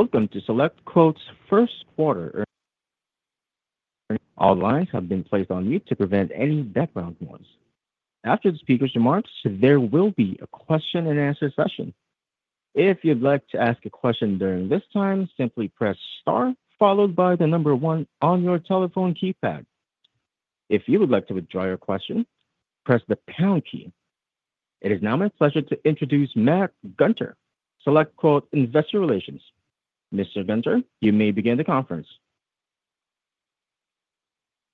Welcome to SelectQuote's first quarter. All lines have been placed on mute to prevent any background noise. After the speaker's remarks, there will be a question-and-answer session. If you'd like to ask a question during this time, simply press star followed by the number one on your telephone keypad. If you would like to withdraw your question, press the pound key. It is now my pleasure to introduce Matt Gunter, SelectQuote Investor Relations. Mr. Gunter, you may begin the conference.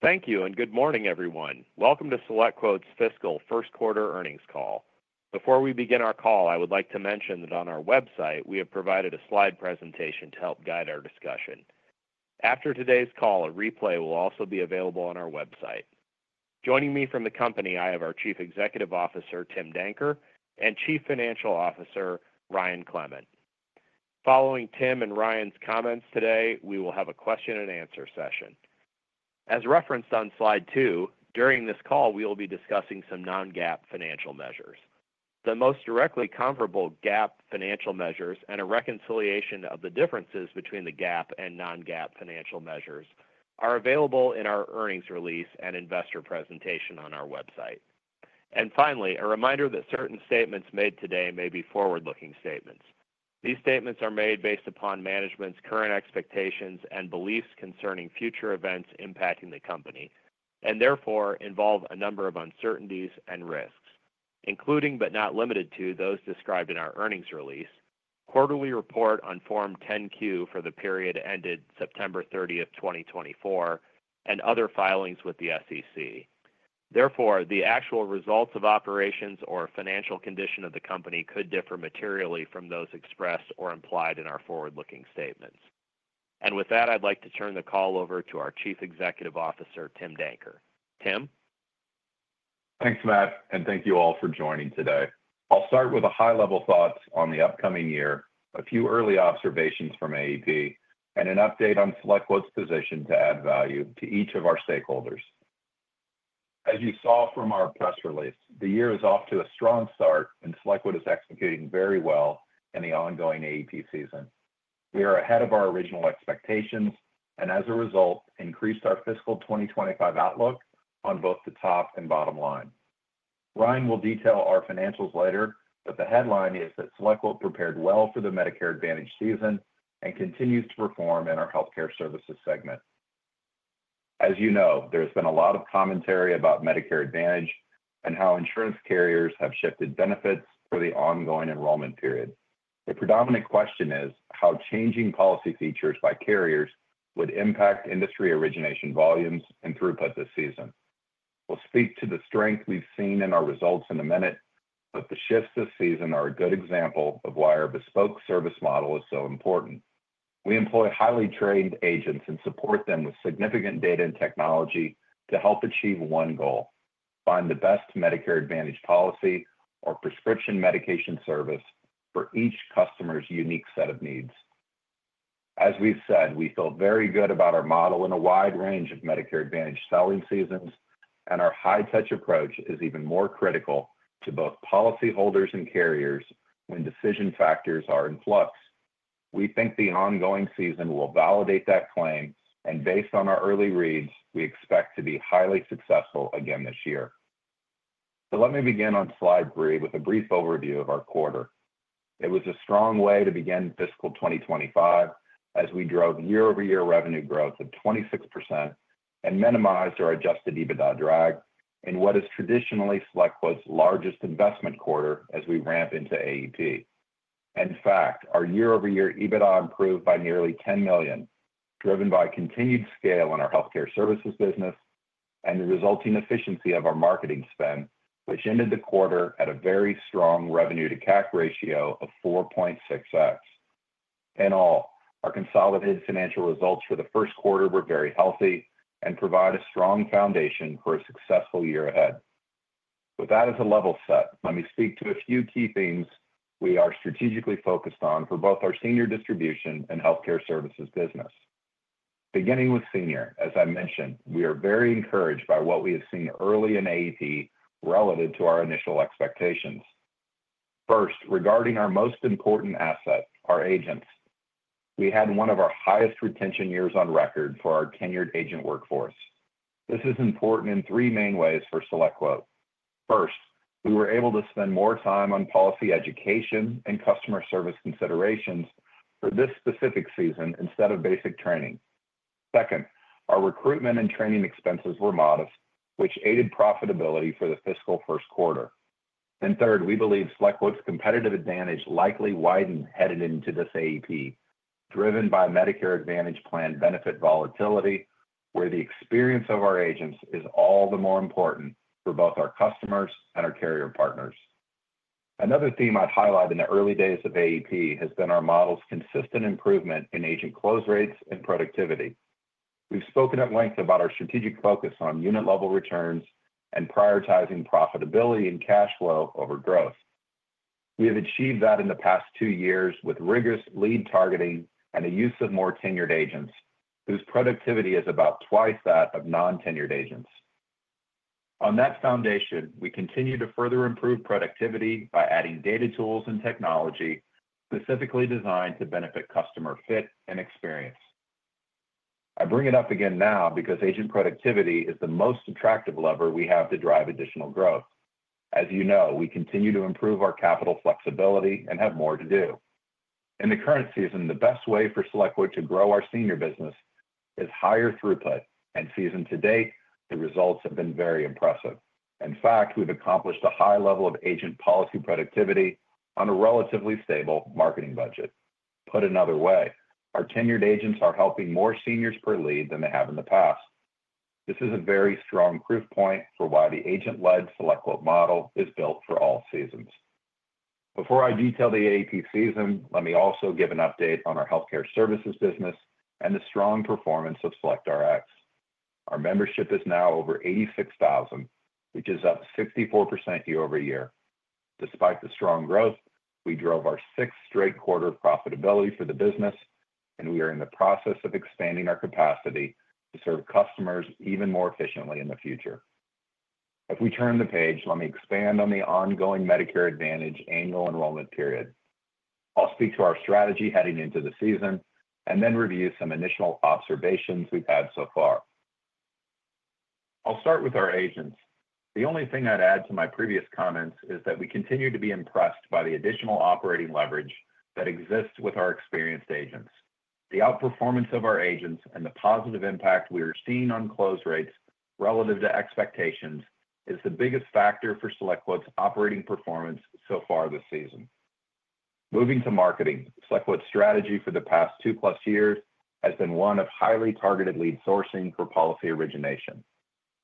Thank you and good morning, everyone. Welcome to SelectQuote's fiscal first quarter earnings call. Before we begin our call, I would like to mention that on our website, we have provided a slide presentation to help guide our discussion. After today's call, a replay will also be available on our website. Joining me from the company, I have our Chief Executive Officer, Tim Danker, and Chief Financial Officer, Ryan Clement. Following Tim and Ryan's comments today, we will have a question-and-answer session. As referenced on slide two, during this call, we will be discussing some non-GAAP financial measures. The most directly comparable GAAP financial measures and a reconciliation of the differences between the GAAP and non-GAAP financial measures are available in our earnings release and investor presentation on our website. And finally, a reminder that certain statements made today may be forward-looking statements. These statements are made based upon management's current expectations and beliefs concerning future events impacting the company, and therefore involve a number of uncertainties and risks, including but not limited to those described in our earnings release, quarterly report on Form 10-Q for the period ended September 30th, 2024, and other filings with the SEC. Therefore, the actual results of operations or financial condition of the company could differ materially from those expressed or implied in our forward-looking statements. And with that, I'd like to turn the call over to our Chief Executive Officer, Tim Danker. Tim? Thanks, Matt, and thank you all for joining today. I'll start with a high-level thought on the upcoming year, a few early observations from AEP, and an update on SelectQuote's position to add value to each of our stakeholders. As you saw from our press release, the year is off to a strong start, and SelectQuote is executing very well in the ongoing AEP season. We are ahead of our original expectations and, as a result, increased our fiscal 2025 outlook on both the top and bottom line. Ryan will detail our financials later, but the headline is that SelectQuote prepared well for the Medicare Advantage season and continues to perform in our healthcare services segment. As you know, there has been a lot of commentary about Medicare Advantage and how insurance carriers have shifted benefits for the ongoing enrollment period. The predominant question is how changing policy features by carriers would impact industry origination volumes and throughput this season. We'll speak to the strength we've seen in our results in a minute, but the shifts this season are a good example of why our bespoke service model is so important. We employ highly trained agents and support them with significant data and technology to help achieve one goal: find the best Medicare Advantage policy or prescription medication service for each customer's unique set of needs. As we've said, we feel very good about our model in a wide range of Medicare Advantage selling seasons, and our high-touch approach is even more critical to both policyholders and carriers when decision factors are in flux. We think the ongoing season will validate that claim, and based on our early reads, we expect to be highly successful again this year. So let me begin on slide three with a brief overview of our quarter. It was a strong way to begin fiscal 2025 as we drove year-over-year revenue growth of 26% and minimized our Adjusted EBITDA drag in what is traditionally SelectQuote's largest investment quarter as we ramp into AEP. In fact, our year-over-year EBITDA improved by nearly $10 million, driven by continued scale in our healthcare services business and the resulting efficiency of our marketing spend, which ended the quarter at a very strong revenue-to-cash ratio of 4.6x. In all, our consolidated financial results for the first quarter were very healthy and provide a strong foundation for a successful year ahead. With that as a level set, let me speak to a few key themes we are strategically focused on for both our senior distribution and healthcare services business. Beginning with senior, as I mentioned, we are very encouraged by what we have seen early in AEP relative to our initial expectations. First, regarding our most important asset, our agents. We had one of our highest retention years on record for our tenured agent workforce. This is important in three main ways for SelectQuote. First, we were able to spend more time on policy education and customer service considerations for this specific season instead of basic training. Second, our recruitment and training expenses were modest, which aided profitability for the fiscal first quarter, and third, we believe SelectQuote's competitive advantage likely widened headed into this AEP, driven by Medicare Advantage plan benefit volatility, where the experience of our agents is all the more important for both our customers and our carrier partners. Another theme I'd highlight in the early days of AEP has been our model's consistent improvement in agent close rates and productivity. We've spoken at length about our strategic focus on unit-level returns and prioritizing profitability and cash flow over growth. We have achieved that in the past two years with rigorous lead targeting and the use of more tenured agents, whose productivity is about twice that of non-tenured agents. On that foundation, we continue to further improve productivity by adding data tools and technology specifically designed to benefit customer fit and experience. I bring it up again now because agent productivity is the most attractive lever we have to drive additional growth. As you know, we continue to improve our capital flexibility and have more to do. In the current season, the best way for SelectQuote to grow our senior business is higher throughput, and season to date, the results have been very impressive. In fact, we've accomplished a high level of agent policy productivity on a relatively stable marketing budget. Put another way, our tenured agents are helping more seniors per lead than they have in the past. This is a very strong proof point for why the agent-led SelectQuote model is built for all seasons. Before I detail the AEP season, let me also give an update on our healthcare services business and the strong performance of SelectRx. Our membership is now over 86,000, which is up 64% year-over-year. Despite the strong growth, we drove our sixth straight quarter of profitability for the business, and we are in the process of expanding our capacity to serve customers even more efficiently in the future. If we turn the page, let me expand on the ongoing Medicare Advantage annual enrollment period. I'll speak to our strategy heading into the season and then review some initial observations we've had so far. I'll start with our agents. The only thing I'd add to my previous comments is that we continue to be impressed by the additional operating leverage that exists with our experienced agents. The outperformance of our agents and the positive impact we are seeing on close rates relative to expectations is the biggest factor for SelectQuote's operating performance so far this season. Moving to marketing, SelectQuote's strategy for the past two-plus years has been one of highly targeted lead sourcing for policy origination.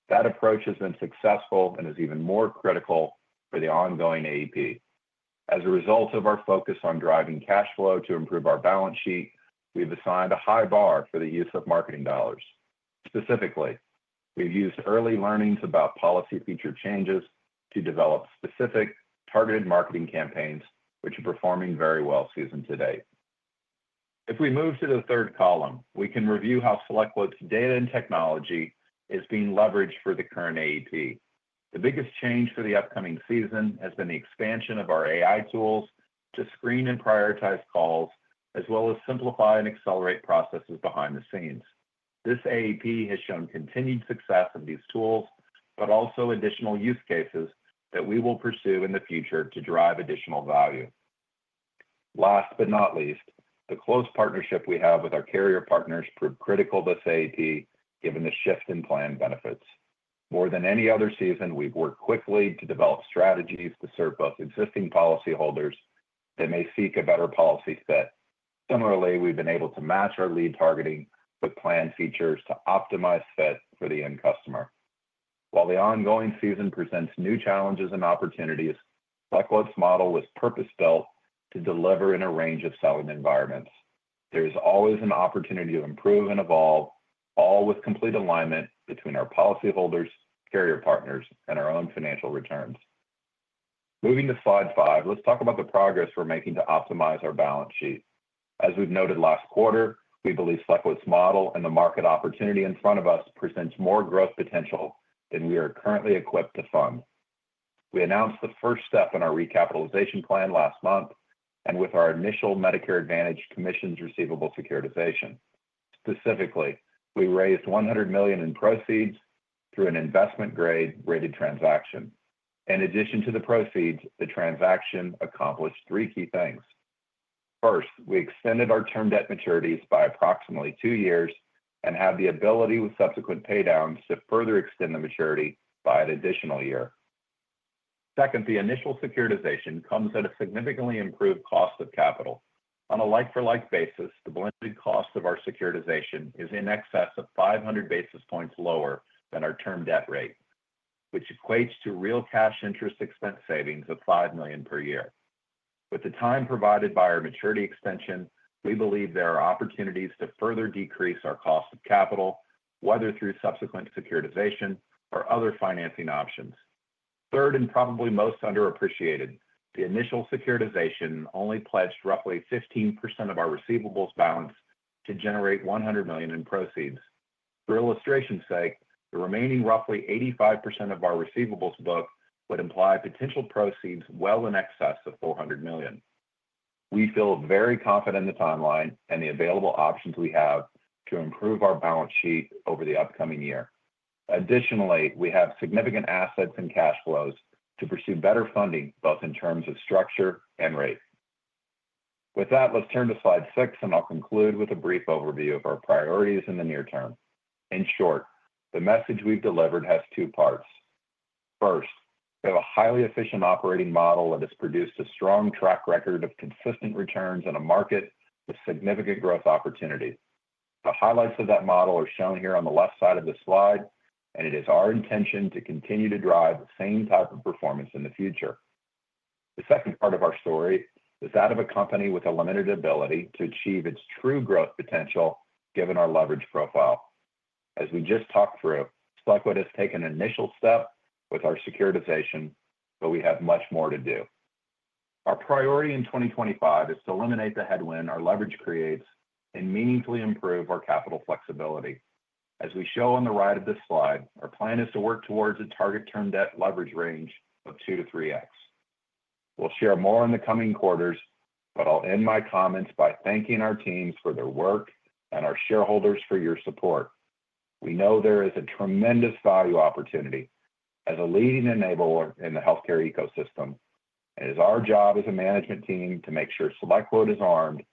That approach has been successful and is even more critical for the ongoing AEP. As a result of our focus on driving cash flow to improve our balance sheet, we've assigned a high bar for the use of marketing dollars. Specifically, we've used early learnings about policy feature changes to develop specific targeted marketing campaigns, which are performing very well season to date. If we move to the third column, we can review how SelectQuote's data and technology is being leveraged for the current AEP. The biggest change for the upcoming season has been the expansion of our AI tools to screen and prioritize calls, as well as simplify and accelerate processes behind the scenes. This AEP has shown continued success in these tools, but also additional use cases that we will pursue in the future to drive additional value. Last but not least, the close partnership we have with our carrier partners proved critical this AEP, given the shift in planned benefits. More than any other season, we've worked quickly to develop strategies to serve both existing policyholders that may seek a better policy fit. Similarly, we've been able to match our lead targeting with planned features to optimize fit for the end customer. While the ongoing season presents new challenges and opportunities, SelectQuote's model was purpose-built to deliver in a range of selling environments. There is always an opportunity to improve and evolve, all with complete alignment between our policyholders, carrier partners, and our own financial returns. Moving to slide five, let's talk about the progress we're making to optimize our balance sheet. As we've noted last quarter, we believe SelectQuote's model and the market opportunity in front of us presents more growth potential than we are currently equipped to fund. We announced the first step in our recapitalization plan last month and with our initial Medicare Advantage commissions receivable securitization. Specifically, we raised $100 million in proceeds through an investment-grade rated transaction. In addition to the proceeds, the transaction accomplished three key things. First, we extended our term debt maturities by approximately two years and had the ability with subsequent paydowns to further extend the maturity by an additional year. Second, the initial securitization comes at a significantly improved cost of capital. On a like-for-like basis, the blended cost of our securitization is in excess of 500 basis points lower than our term debt rate, which equates to real cash interest expense savings of $5 million per year. With the time provided by our maturity extension, we believe there are opportunities to further decrease our cost of capital, whether through subsequent securitization or other financing options. Third, and probably most underappreciated, the initial securitization only pledged roughly 15% of our receivables balance to generate $100 million in proceeds. For illustration's sake, the remaining roughly 85% of our receivables book would imply potential proceeds well in excess of $400 million. We feel very confident in the timeline and the available options we have to improve our balance sheet over the upcoming year. Additionally, we have significant assets and cash flows to pursue better funding both in terms of structure and rate. With that, let's turn to slide six, and I'll conclude with a brief overview of our priorities in the near term. In short, the message we've delivered has two parts. First, we have a highly efficient operating model that has produced a strong track record of consistent returns in a market with significant growth opportunity. The highlights of that model are shown here on the left side of the slide, and it is our intention to continue to drive the same type of performance in the future. The second part of our story is that of a company with a limited ability to achieve its true growth potential given our leverage profile. As we just talked through, SelectQuote has taken an initial step with our securitization, but we have much more to do. Our priority in 2025 is to eliminate the headwind our leverage creates and meaningfully improve our capital flexibility. As we show on the right of this slide, our plan is to work towards a target term debt leverage range of 2x-3x. We'll share more in the coming quarters, but I'll end my comments by thanking our teams for their work and our shareholders for your support. We know there is a tremendous value opportunity as a leading enabler in the healthcare ecosystem, and it is our job as a management team to make sure SelectQuote is armed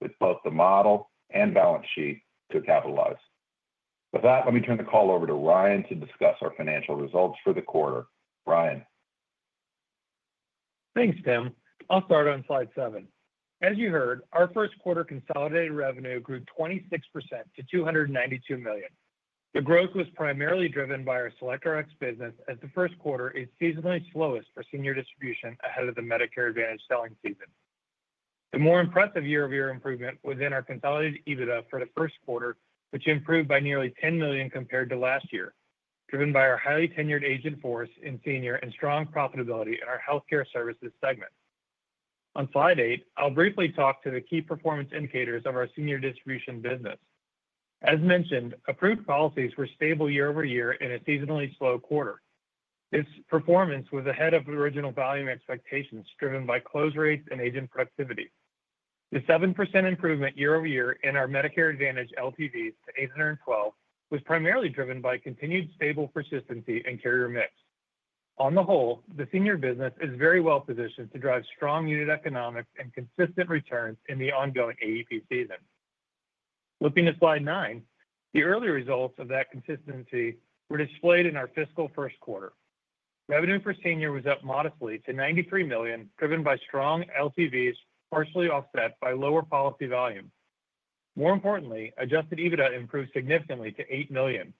with both the model and balance sheet to capitalize. With that, let me turn the call over to Ryan to discuss our financial results for the quarter. Ryan. Thanks, Tim. I'll start on slide seven. As you heard, our first quarter consolidated revenue grew 26% to $292 million. The growth was primarily driven by our SelectRx business, as the first quarter is seasonally slowest for senior distribution ahead of the Medicare Advantage selling season. The more impressive year-over-year improvement was in our consolidated EBITDA for the first quarter, which improved by nearly $10 million compared to last year, driven by our highly tenured agent force in senior and strong profitability in our healthcare services segment. On slide eight, I'll briefly talk to the key performance indicators of our senior distribution business. As mentioned, approved policies were stable year-over-year in a seasonally slow quarter. This performance was ahead of original value expectations driven by close rates and agent productivity. The 7% improvement year-over-year in our Medicare Advantage LTVs to 812 was primarily driven by continued stable persistency and carrier mix. On the whole, the senior business is very well positioned to drive strong unit economics and consistent returns in the ongoing AEP season. Looking at slide nine, the early results of that consistency were displayed in our fiscal first quarter. Revenue for senior was up modestly to $93 million, driven by strong LTVs partially offset by lower policy volume. More importantly, Adjusted EBITDA improved significantly to $8 million.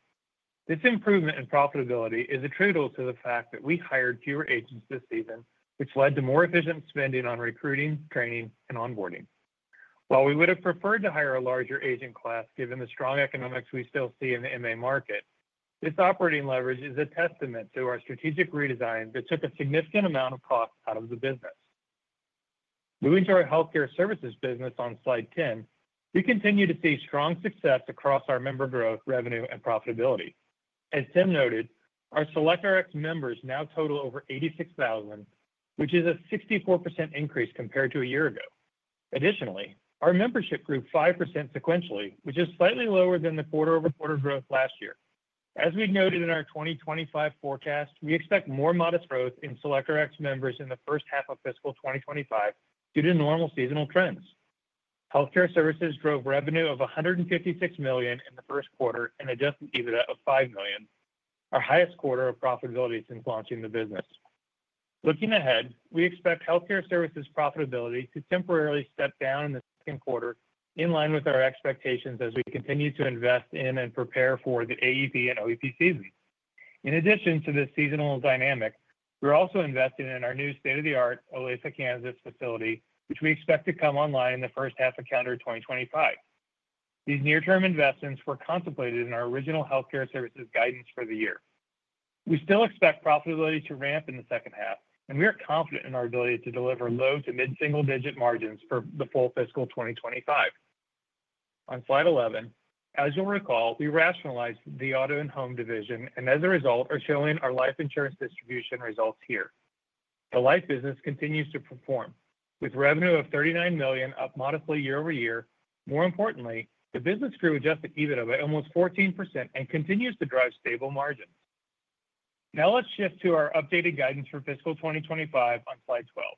This improvement in profitability is attributable to the fact that we hired fewer agents this season, which led to more efficient spending on recruiting, training, and onboarding. While we would have preferred to hire a larger agent class given the strong economics we still see in the MA market, this operating leverage is a testament to our strategic redesign that took a significant amount of cost out of the business. Moving to our healthcare services business on slide 10, we continue to see strong success across our member growth, revenue, and profitability. As Tim noted, our SelectRx members now total over 86,000, which is a 64% increase compared to a year ago. Additionally, our membership grew 5% sequentially, which is slightly lower than the quarter-over-quarter growth last year. As we noted in our 2025 forecast, we expect more modest growth in SelectRx members in the first half of fiscal 2025 due to normal seasonal trends. Healthcare services drove revenue of $156 million in the first quarter and Adjusted EBITDA of $5 million, our highest quarter of profitability since launching the business. Looking ahead, we expect healthcare services profitability to temporarily step down in the second quarter in line with our expectations as we continue to invest in and prepare for the AEP and OEP season. In addition to this seasonal dynamic, we're also investing in our new state-of-the-art Olathe, Kansas facility, which we expect to come online in the first half of calendar 2025. These near-term investments were contemplated in our original healthcare services guidance for the year. We still expect profitability to ramp in the second half, and we are confident in our ability to deliver low to mid-single-digit margins for the full fiscal 2025. On slide 11, as you'll recall, we rationalized the auto and home division, and as a result, are showing our life insurance distribution results here. The life business continues to perform with revenue of $39 million up modestly year-over-year. More importantly, the business grew Adjusted EBITDA by almost 14% and continues to drive stable margins. Now let's shift to our updated guidance for fiscal 2025 on slide 12.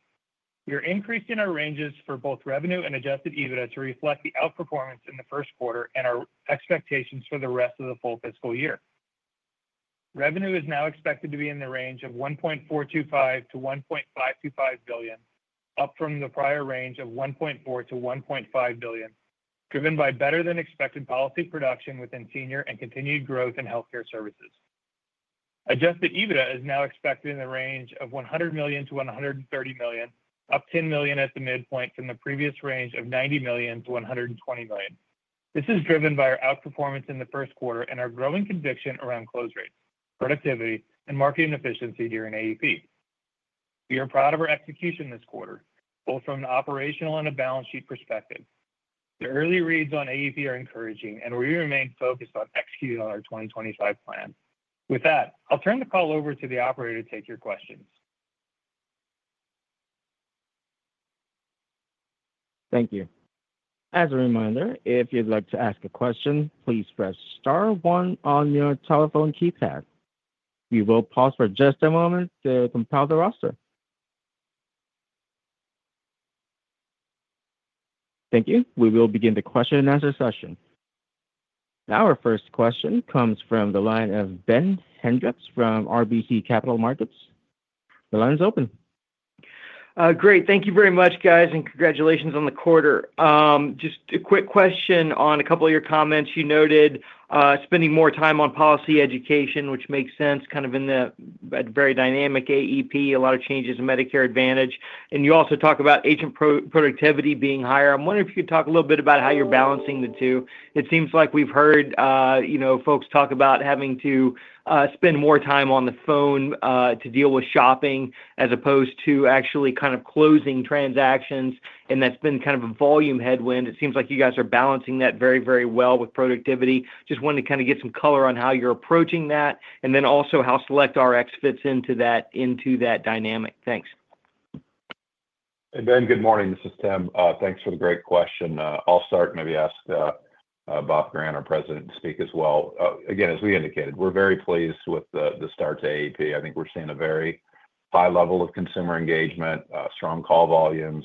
We are increasing our ranges for both revenue and Adjusted EBITDA to reflect the outperformance in the first quarter and our expectations for the rest of the full fiscal year. Revenue is now expected to be in the range of $1.425 billion-$1.525 billion, up from the prior range of $1.4 billion-$1.5 billion, driven by better-than-expected policy production within senior and continued growth in healthcare services. Adjusted EBITDA is now expected in the range of $100 million-$130 million, up $10 million at the midpoint from the previous range of $90 million-$120 million. This is driven by our outperformance in the first quarter and our growing conviction around close rates, productivity, and marketing efficiency here in AEP. We are proud of our execution this quarter, both from an operational and a balance sheet perspective. The early reads on AEP are encouraging, and we remain focused on executing on our 2025 plan. With that, I'll turn the call over to the operator to take your questions. Thank you. As a reminder, if you'd like to ask a question, please press star one on your telephone keypad. We will pause for just a moment to compile the roster. Thank you. We will begin the question and answer session. Now our first question comes from the line of Ben Hendrix from RBC Capital Markets. The line is open. Great. Thank you very much, guys, and congratulations on the quarter. Just a quick question on a couple of your comments. You noted spending more time on policy education, which makes sense, kind of in the very dynamic AEP, a lot of changes in Medicare Advantage. And you also talk about agent productivity being higher. I'm wondering if you could talk a little bit about how you're balancing the two. It seems like we've heard folks talk about having to spend more time on the phone to deal with shopping as opposed to actually kind of closing transactions, and that's been kind of a volume headwind. It seems like you guys are balancing that very, very well with productivity. Just wanted to kind of get some color on how you're approaching that, and then also how SelectRx fits into that dynamic. Thanks. And Ben, good morning. This is Tim. Thanks for the great question. I'll start and maybe ask Bob Grant, our President, to speak as well. Again, as we indicated, we're very pleased with the start to AEP. I think we're seeing a very high level of consumer engagement, strong call volumes,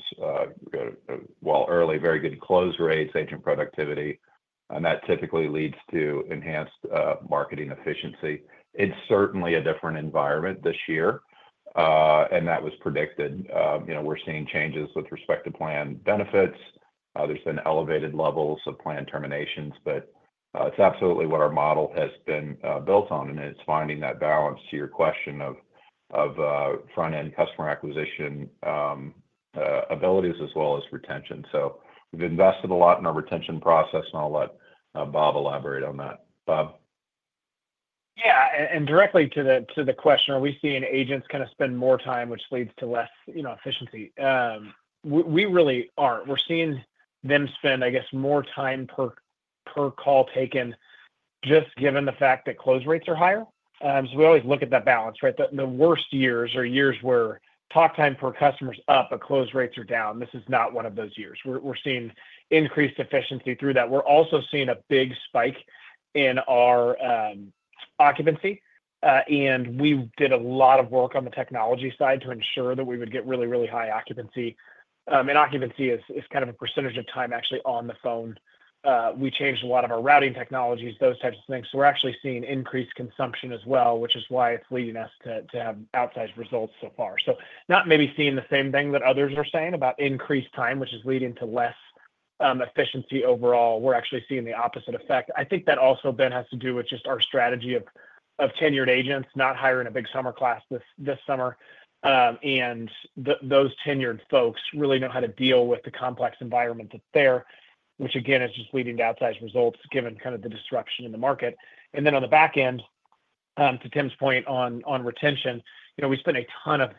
while early, very good close rates, agent productivity, and that typically leads to enhanced marketing efficiency. It's certainly a different environment this year, and that was predicted. We're seeing changes with respect to plan benefits. There's been elevated levels of plan terminations, but it's absolutely what our model has been built on, and it's finding that balance to your question of front-end customer acquisition abilities as well as retention. So we've invested a lot in our retention process, and I'll let Bob elaborate on that. Bob? Yeah. And directly to the question, are we seeing agents kind of spend more time, which leads to less efficiency? We really aren't. We're seeing them spend, I guess, more time per call taken just given the fact that close rates are higher. So we always look at that balance, right? The worst years are years where talk time per customer is up, but close rates are down. This is not one of those years. We're seeing increased efficiency through that. We're also seeing a big spike in our occupancy, and we did a lot of work on the technology side to ensure that we would get really, really high occupancy, and occupancy is kind of a percentage of time actually on the phone. We changed a lot of our routing technologies, those types of things, so we're actually seeing increased consumption as well, which is why it's leading us to have outsized results so far, so not maybe seeing the same thing that others are saying about increased time, which is leading to less efficiency overall. We're actually seeing the opposite effect. I think that also, Ben, has to do with just our strategy of tenured agents, not hiring a big summer class this summer. And those tenured folks really know how to deal with the complex environment that's there, which again is just leading to outsized results given kind of the disruption in the market. And then on the back end, to Tim's point on retention, we spent a ton of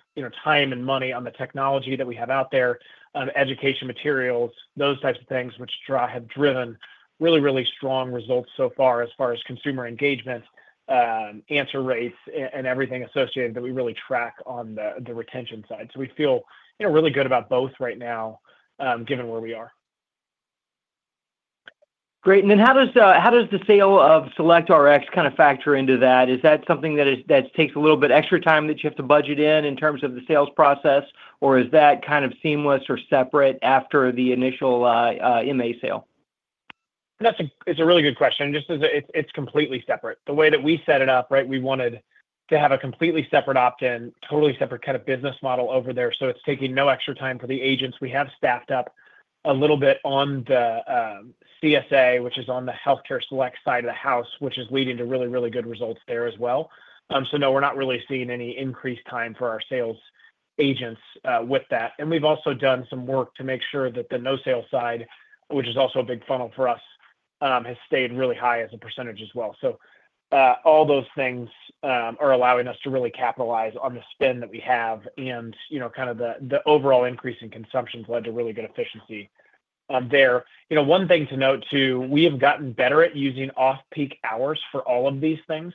time and money on the technology that we have out there, education materials, those types of things, which have driven really, really strong results so far as far as consumer engagement, answer rates, and everything associated that we really track on the retention side. So we feel really good about both right now given where we are. Great. And then how does the sale of SelectRx kind of factor into that? Is that something that takes a little bit extra time that you have to budget in in terms of the sales process, or is that kind of seamless or separate after the initial MA sale? It's a really good question. It's completely separate. The way that we set it up, right, we wanted to have a completely separate opt-in, totally separate kind of business model over there. So it's taking no extra time for the agents. We have staffed up a little bit on the CSA, which is on the healthcare select side of the house, which is leading to really, really good results there as well. So no, we're not really seeing any increased time for our sales agents with that. And we've also done some work to make sure that the no-sale side, which is also a big funnel for us, has stayed really high as a percentage as well. So all those things are allowing us to really capitalize on the spend that we have and kind of the overall increase in consumption has led to really good efficiency there. One thing to note too, we have gotten better at using off-peak hours for all of these things.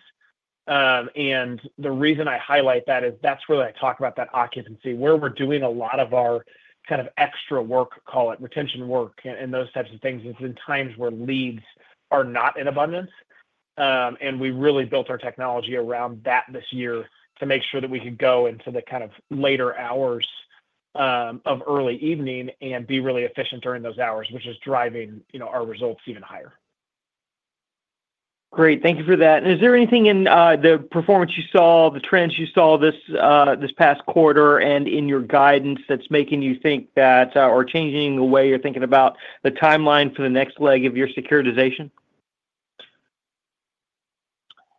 And the reason I highlight that is that's where I talk about that occupancy, where we're doing a lot of our kind of extra work, call it retention work and those types of things, is in times where leads are not in abundance. And we really built our technology around that this year to make sure that we could go into the kind of later hours of early evening and be really efficient during those hours, which is driving our results even higher. Great. Thank you for that. And is there anything in the performance you saw, the trends you saw this past quarter, and in your guidance that's making you think that or changing the way you're thinking about the timeline for the next leg of your securitization?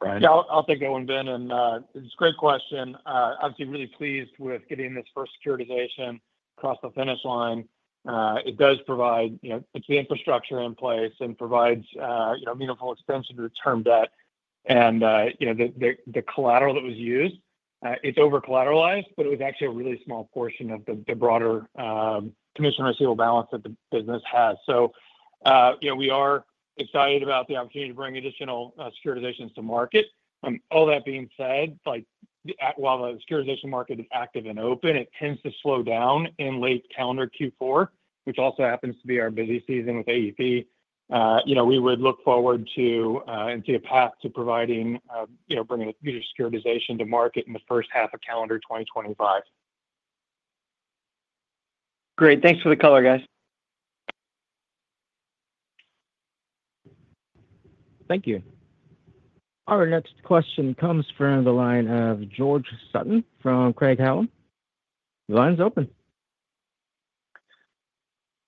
Ryan? Yeah, I'll take that one, Ben. And it's a great question. Obviously, really pleased with getting this first securitization across the finish line. It does provide the infrastructure in place and provides meaningful extension to the term debt and the collateral that was used. It's over-collateralized, but it was actually a really small portion of the broader commission receivable balance that the business has. So we are excited about the opportunity to bring additional securitizations to market. All that being said, while the securitization market is active and open, it tends to slow down in late calendar Q4, which also happens to be our busy season with AEP. We would look forward to and see a path to bringing a securitization to market in the first half of calendar 2025. Great. Thanks for the color, guys. Thank you. Our next question comes from the line of George Sutton from Craig-Hallum. The line's open.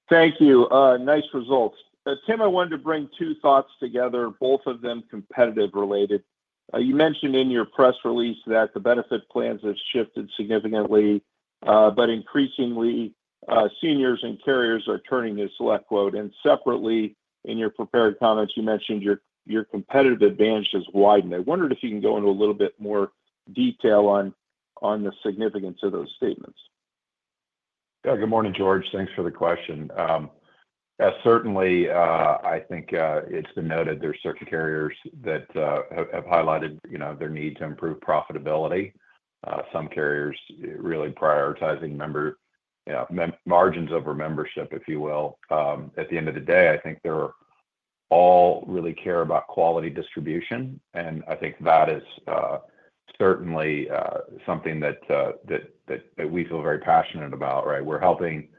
Thank you. Nice results. Tim, I wanted to bring two thoughts together, both of them competitive-related. You mentioned in your press release that the benefit plans have shifted significantly, but increasingly, seniors and carriers are turning to SelectQuote. And separately, in your prepared comments, you mentioned your competitive advantage has widened. I wondered if you can go into a little bit more detail on the significance of those statements. Yeah. Good morning, George. Thanks for the question. Certainly, I think it's been noted there are certain carriers that have highlighted their need to improve profitability. Some carriers really prioritizing margins over membership, if you will. At the end of the day, I think they all really care about quality distribution. And I think that is certainly something that we feel very passionate about, right? We're helping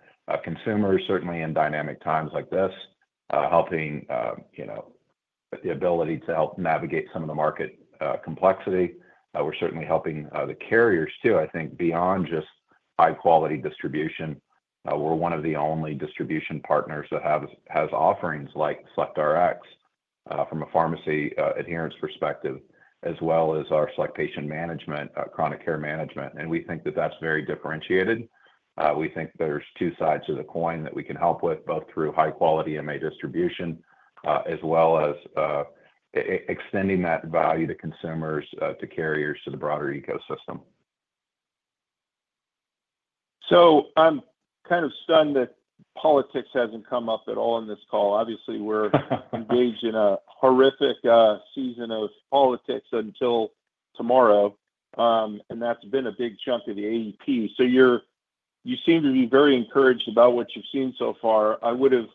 consumers, certainly in dynamic times like this, helping the ability to help navigate some of the market complexity. We're certainly helping the carriers too, I think, beyond just high-quality distribution. We're one of the only distribution partners that has offerings like SelectRx from a pharmacy adherence perspective, as well as our Select Patient Management, Chronic Care Management. And we think that that's very differentiated. We think there's two sides of the coin that we can help with, both through high-quality MA distribution as well as extending that value to consumers, to carriers, to the broader ecosystem. So I'm kind of stunned that politics hasn't come up at all in this call. Obviously, we're engaged in a horrific season of politics until tomorrow, and that's been a big chunk of the AEP. So you seem to be very encouraged about what you've seen so far. I would have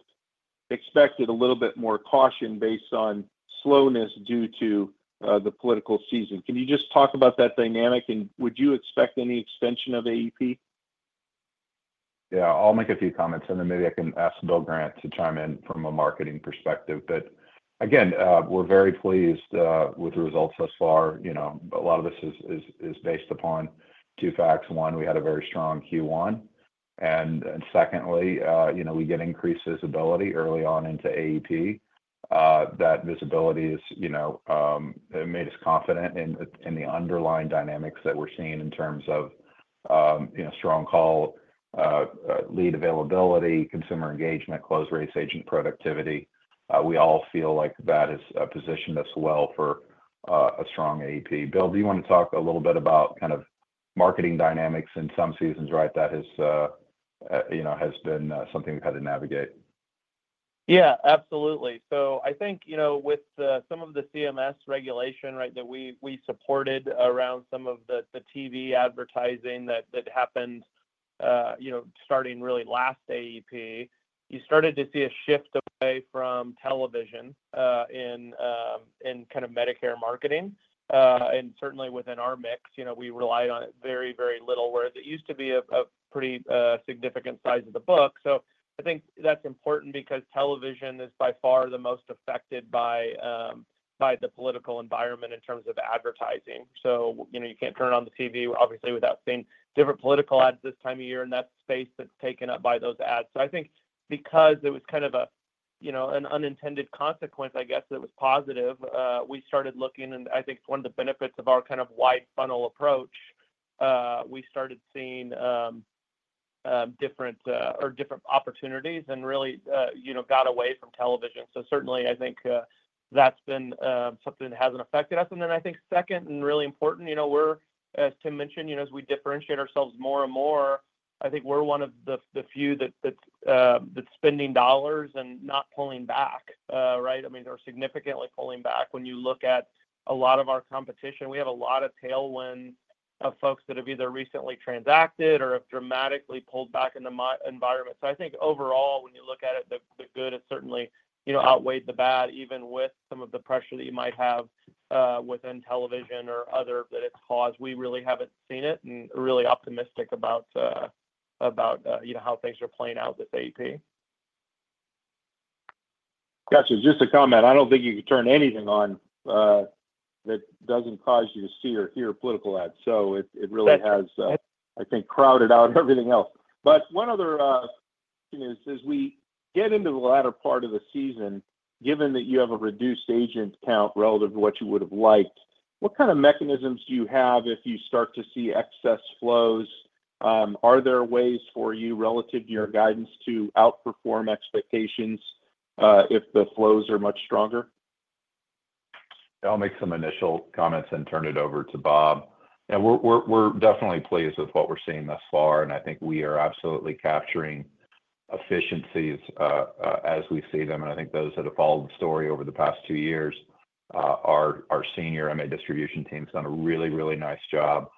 expected a little bit more caution based on slowness due to the political season. Can you just talk about that dynamic, and would you expect any extension of AEP? Yeah. I'll make a few comments, and then maybe I can ask Bill Grant to chime in from a marketing perspective. But again, we're very pleased with the results thus far. A lot of this is based upon two facts. One, we had a very strong Q1. And secondly, we get increased visibility early on into AEP. That visibility has made us confident in the underlying dynamics that we're seeing in terms of strong call lead availability, consumer engagement, close rates, agent productivity. We all feel like that has positioned us well for a strong AEP. Bill, do you want to talk a little bit about kind of marketing dynamics in some seasons, right? That has been something we've had to navigate. Yeah, absolutely. So, I think with some of the CMS regulation, right, that we supported around some of the TV advertising that happened starting really last AEP, you started to see a shift away from television in kind of Medicare marketing. And certainly within our mix, we relied on it very, very little, whereas it used to be a pretty significant size of the book. So, I think that's important because television is by far the most affected by the political environment in terms of advertising. So, you can't turn on the TV, obviously, without seeing different political ads this time of year in that space that's taken up by those ads. So, I think because it was kind of an unintended consequence, I guess, that was positive, we started looking. And I think one of the benefits of our kind of wide-funnel approach, we started seeing different opportunities and really got away from television. So certainly, I think that's been something that hasn't affected us. And then I think second and really important, as Tim mentioned, as we differentiate ourselves more and more, I think we're one of the few that's spending dollars and not pulling back, right? I mean, they're significantly pulling back. When you look at a lot of our competition, we have a lot of tailwinds of folks that have either recently transacted or have dramatically pulled back in the environment. So I think overall, when you look at it, the good has certainly outweighed the bad, even with some of the pressure that you might have within television or other that it's caused. We really haven't seen it and are really optimistic about how things are playing out with AEP. Gotcha. Just a comment. I don't think you could turn anything on that doesn't cause you to see or hear political ads. So it really has, I think, crowded out everything else. But one other thing is, as we get into the latter part of the season, given that you have a reduced agent count relative to what you would have liked, what kind of mechanisms do you have if you start to see excess flows? Are there ways for you relative to your guidance to outperform expectations if the flows are much stronger? I'll make some initial comments and turn it over to Bob. Yeah, we're definitely pleased with what we're seeing thus far, and I think we are absolutely capturing efficiencies as we see them. And I think those that have followed the story over the past two years, our senior MA distribution team has done a really, really nice job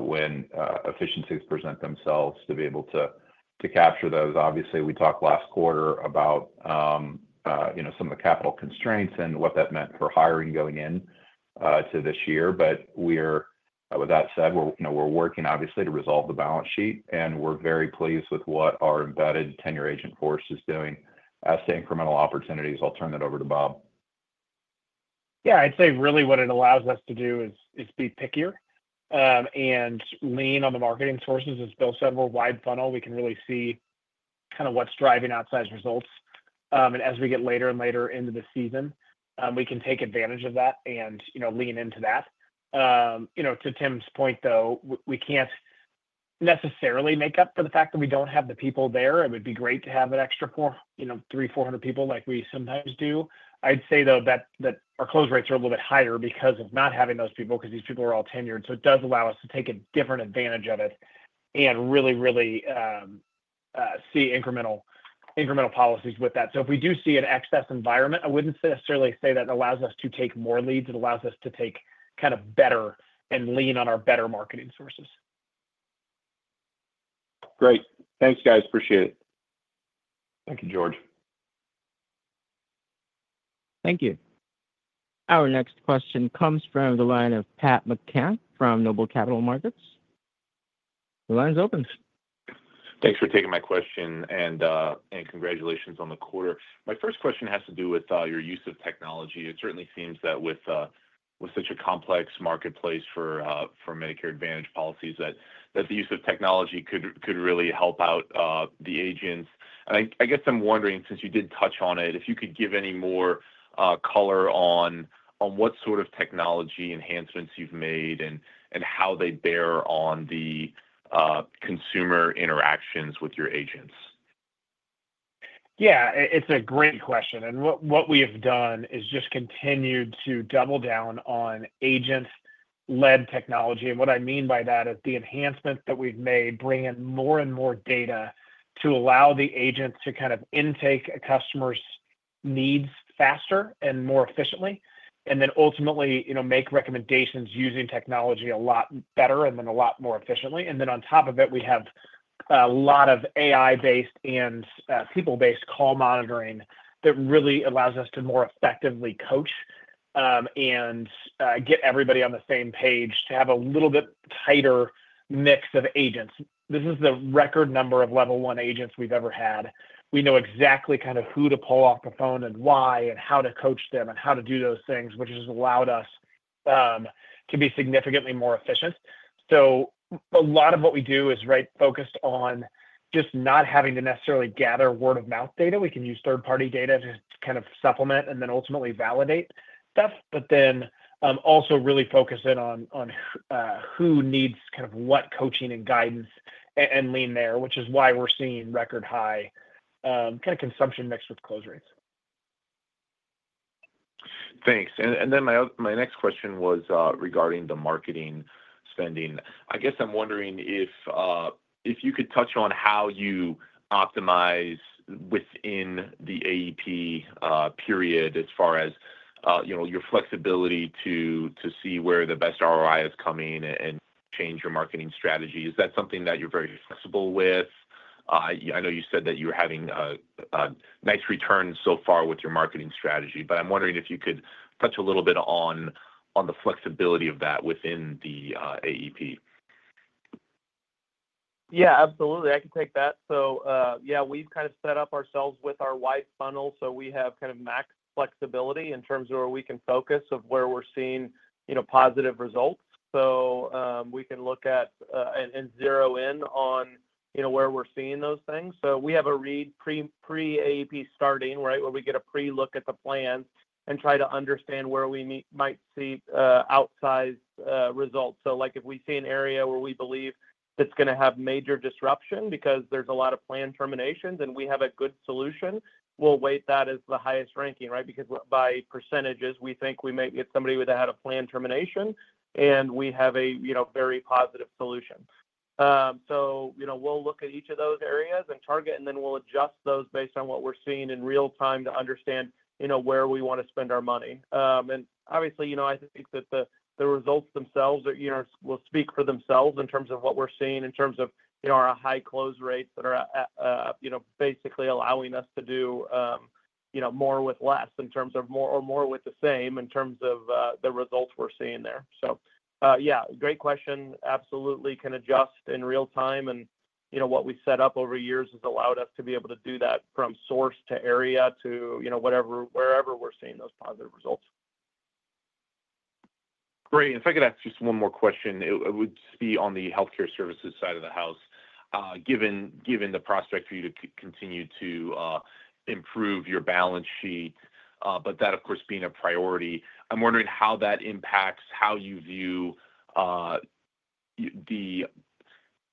when efficiencies present themselves to be able to capture those. Obviously, we talked last quarter about some of the capital constraints and what that meant for hiring going into this year. But with that said, we're working, obviously, to resolve the balance sheet, and we're very pleased with what our embedded tenured agent force is doing as to incremental opportunities. I'll turn that over to Bob. Yeah. I'd say really what it allows us to do is be pickier and lean on the marketing sources as Bill said, we're wide-funnel. We can really see kind of what's driving outsized results. And as we get later and later into the season, we can take advantage of that and lean into that. To Tim's point, though, we can't necessarily make up for the fact that we don't have the people there. It would be great to have an extra 3,400 people like we sometimes do. I'd say, though, that our close rates are a little bit higher because of not having those people because these people are all tenured. So it does allow us to take a different advantage of it and really, really see incremental policies with that. So if we do see an excess environment, I wouldn't necessarily say that it allows us to take more leads. It allows us to take kind of better and lean on our better marketing sources. Great. Thanks, guys. Appreciate it. Thank you, George. Thank you. Our next question comes from the line of Pat McCann from Noble Capital Markets. The line's open. Thanks for taking my question and congratulations on the quarter. My first question has to do with your use of technology. It certainly seems that with such a complex marketplace for Medicare Advantage policies, that the use of technology could really help out the agents. And I guess I'm wondering, since you did touch on it, if you could give any more color on what sort of technology enhancements you've made and how they bear on the consumer interactions with your agents? Yeah. It's a great question. And what we have done is just continued to double down on agent-led technology. And what I mean by that is the enhancements that we've made bring in more and more data to allow the agents to kind of intake a customer's needs faster and more efficiently, and then ultimately make recommendations using technology a lot better and then a lot more efficiently. And then on top of it, we have a lot of AI-based and people-based call monitoring that really allows us to more effectively coach and get everybody on the same page to have a little bit tighter mix of agents. This is the record number of level one agents we've ever had. We know exactly kind of who to pull off the phone and why and how to coach them and how to do those things, which has allowed us to be significantly more efficient. So a lot of what we do is focused on just not having to necessarily gather word-of-mouth data. We can use third-party data to kind of supplement and then ultimately validate stuff, but then also really focus in on who needs kind of what coaching and guidance and lean there, which is why we're seeing record-high kind of consumption mixed with close rates. Thanks. And then my next question was regarding the marketing spending. I guess I'm wondering if you could touch on how you optimize within the AEP period as far as your flexibility to see where the best ROI is coming and change your marketing strategy. Is that something that you're very flexible with? I know you said that you're having a nice return so far with your marketing strategy, but I'm wondering if you could touch a little bit on the flexibility of that within the AEP. Yeah, absolutely. I can take that. So yeah, we've kind of set up ourselves with our wide funnel, so we have kind of max flexibility in terms of where we can focus of where we're seeing positive results. So we can look at and zero in on where we're seeing those things. So we have a read pre-AEP starting, right, where we get a pre-look at the plans and try to understand where we might see outsized results. So if we see an area where we believe that's going to have major disruption because there's a lot of planned terminations and we have a good solution, we'll weight that as the highest ranking, right? Because by percentages, we think we may get somebody that had a planned termination, and we have a very positive solution. So we'll look at each of those areas and target, and then we'll adjust those based on what we're seeing in real time to understand where we want to spend our money. And obviously, I think that the results themselves will speak for themselves in terms of what we're seeing in terms of our high close rates that are basically allowing us to do more with less in terms of more or more with the same in terms of the results we're seeing there. So yeah, great question. Absolutely can adjust in real time. And what we set up over years has allowed us to be able to do that from source to area to wherever we're seeing those positive results. Great. If I could ask just one more question, it would just be on the healthcare services side of the house, given the prospect for you to continue to improve your balance sheet, but that, of course, being a priority, I'm wondering how that impacts how you view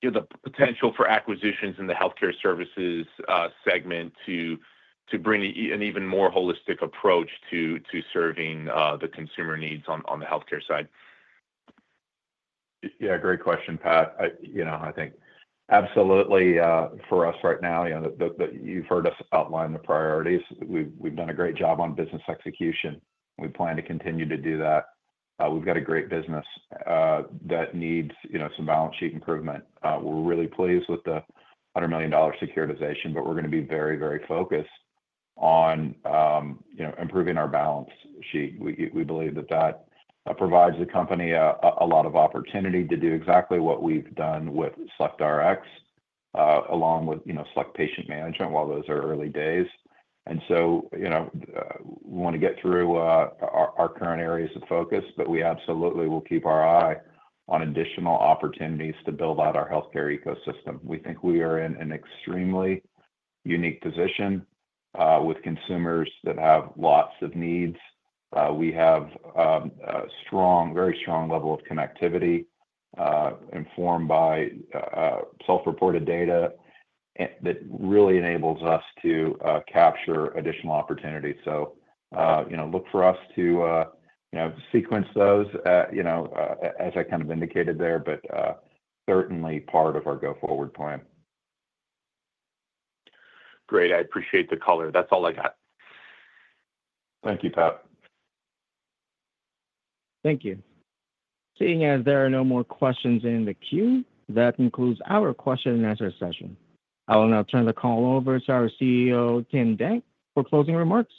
the potential for acquisitions in the healthcare services segment to bring an even more holistic approach to serving the consumer needs on the healthcare side. Yeah. Great question, Pat. I think absolutely for us right now, you've heard us outline the priorities. We've done a great job on business execution. We plan to continue to do that. We've got a great business that needs some balance sheet improvement. We're really pleased with the $100 million securitization, but we're going to be very, very focused on improving our balance sheet. We believe that that provides the company a lot of opportunity to do exactly what we've done with SelectRx, along with Select Patient Management, while those are early days, and so we want to get through our current areas of focus, but we absolutely will keep our eye on additional opportunities to build out our healthcare ecosystem. We think we are in an extremely unique position with consumers that have lots of needs. We have a very strong level of connectivity informed by self-reported data that really enables us to capture additional opportunities, so look for us to sequence those, as I kind of indicated there, but certainly part of our go-forward plan. Great. I appreciate the color. That's all I got. Thank you, Pat. Thank you. Seeing as there are no more questions in the queue, that concludes our question-and-answer session. I will now turn the call over to our CEO, Tim Danker, for closing remarks.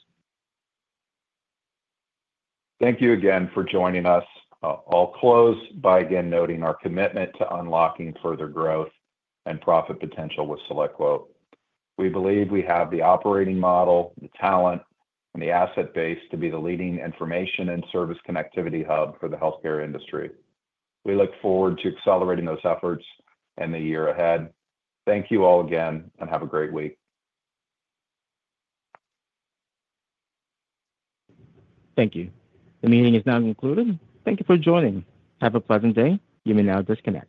Thank you again for joining us. I'll close by again noting our commitment to unlocking further growth and profit potential with SelectQuote. We believe we have the operating model, the talent, and the asset base to be the leading information and service connectivity hub for the healthcare industry. We look forward to accelerating those efforts in the year ahead. Thank you all again, and have a great week. Thank you. The meeting is now concluded. Thank you for joining. Have a pleasant day. You may now disconnect.